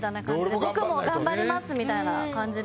「僕も頑張ります」みたいな感じで。